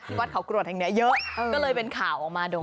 วัดเขากรวดแห่งนี้เยอะก็เลยเป็นข่าวออกมาโดย